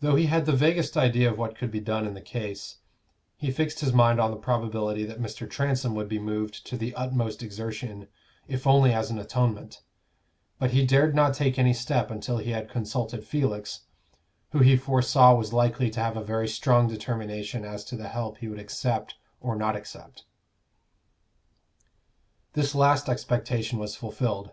Though he had the vaguest idea of what could be done in the case, he fixed his mind on the probability that Mr. Transome would be moved to the utmost exertion, if only as an atonement; but he dared not take any step until he had consulted Felix, who he foresaw was likely to have a very strong determination as to the help he would accept or not accept. This last expectation was fulfilled. Mr.